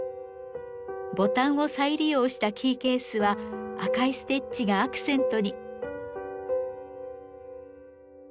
ボタンを再利用したキーケースは赤いステッチがアクセントに。